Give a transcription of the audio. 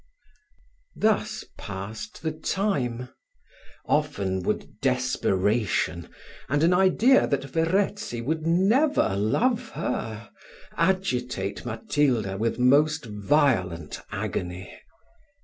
Thus passed the time. Often would desperation, and an idea that Verezzi would never love her, agitate Matilda with most violent agony.